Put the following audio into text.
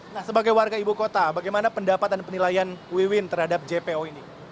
nah sebagai warga ibu kota bagaimana pendapat dan penilaian wiwin terhadap jpo ini